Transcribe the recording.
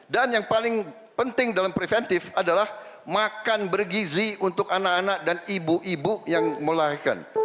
dan yang paling penting dalam preventif adalah makan bergizi untuk anak anak dan ibu ibu yang melahirkan